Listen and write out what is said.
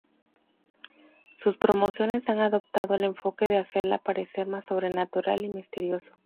Sus promociones han adoptado el enfoque de hacerla parecer más sobrenatural y misterioso.